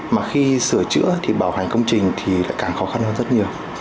mà khi sửa chữa thì bảo hành công trình thì lại càng khó khăn hơn rất nhiều